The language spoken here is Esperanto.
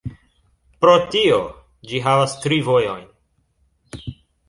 Pro tio, ĝi havas tri vojojn.